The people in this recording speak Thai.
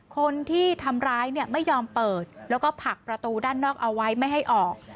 คนที่ทำร้ายเนี่ยไม่ยอมเปิดแล้วก็ผลักประตูด้านนอกเอาไว้ไม่ให้ออก